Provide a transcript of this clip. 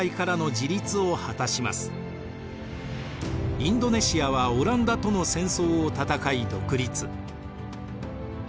インドネシアはオランダとの戦争を戦い独立。